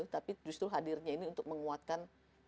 tapi justru hadirnya ini untuk menguatkan